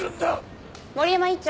森山院長。